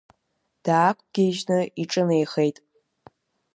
Даақәгьежьны иҿынеихеит.